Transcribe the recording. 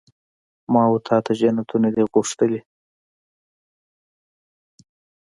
ما وتا ته جنتونه دي غوښتلي